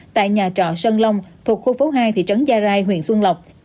tại nhà trọ sơn long thuộc khu phố hai thị trấn gia rai huyện xuân lộc